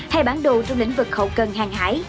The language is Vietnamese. hay bản đồ trong lĩnh vực hậu cần hàng hải